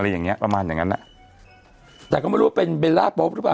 อะไรอย่างเงี้ยประมาณอย่างงั้นอ่ะแต่เขาไม่รู้ว่าเป็นหรือเปล่า